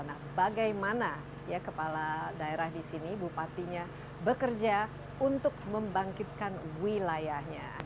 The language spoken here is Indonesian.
nah bagaimana ya kepala daerah di sini bupatinya bekerja untuk membangkitkan wilayahnya